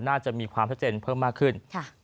น่าจะมีความชัดเจนเพิ่มมากขึ้น